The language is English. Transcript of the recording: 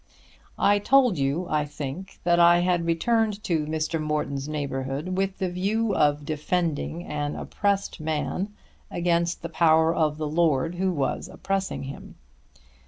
I told you, I think, that I had returned to Mr. Morton's neighbourhood with the view of defending an oppressed man against the power of the lord who was oppressing him.